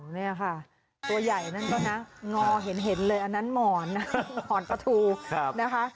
นี่ค่ะตัวใหญ่นั่นก็นะงอเห็นเลยอันนั้นหมอนนะหมอนปลาทูนะคะ